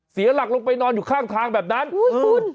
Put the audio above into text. เสียหลักลงไปนอนอยู่ข้างทางแบบนั้นโอ้โห